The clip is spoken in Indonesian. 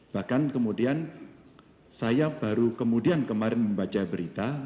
bahkan kemudian saya baru kemudian kemarin membaca berita